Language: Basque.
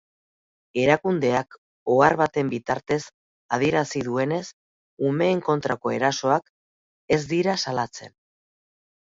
Erakundeak ohar baten bitartez adierazi duenez, umeen kontrako erasoak ez dira salatzen.